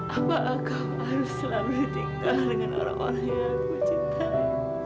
apakah kau harus selalu menikah dengan orang orang yang ku cintai